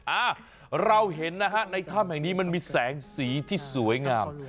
อ่าเราเห็นนะฮะในถ้ำแห่งนี้มันมีแสงสีที่สวยงาม